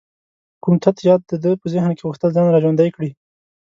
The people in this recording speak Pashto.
کوم تت یاد د ده په ذهن کې غوښتل ځان را ژوندی کړي.